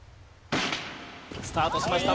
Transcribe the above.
スタートしました。